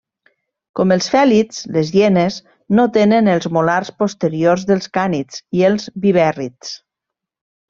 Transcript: Com els fèlids, les hienes no tenen els molars posteriors dels cànids i els vivèrrids.